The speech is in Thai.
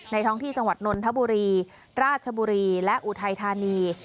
ท้องที่จังหวัดนนทบุรีราชบุรีและอุทัยธานี